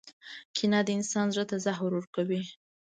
• کینه د انسان زړۀ ته زهر ورکوي.